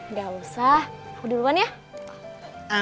nggak usah aduh duluan ya